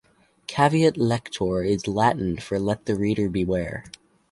"Caveat lector" is Latin for "let the reader beware.